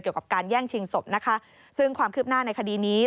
เกี่ยวกับการแย่งชิงศพนะคะซึ่งความคืบหน้าในคดีนี้